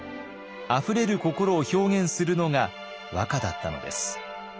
あふれる心を表現するのが和歌だったのです。